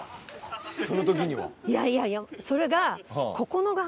いやいやいやそれが。